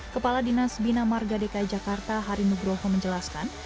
kepala dinas pinamarga dki jakarta hari nugroho menjelaskan